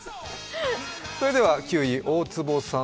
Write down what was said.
それでは９位、大坪さん